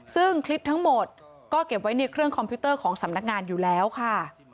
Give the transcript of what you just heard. ซึ่งคลิปทั้งหมดก็เก็บไว้ในเครื่องคอมพิวเตอร์ของสำนักงานอยู่แล้วค่ะ